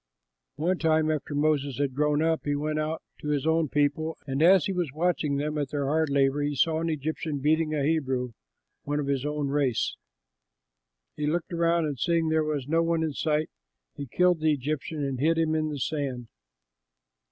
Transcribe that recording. One time, after Moses had grown up, he went out to his own people; and as he was watching them at their hard labor, he saw an Egyptian beating a Hebrew, one of his own race. He looked around and seeing that there was no one in sight, he killed the Egyptian and hid him in the sand.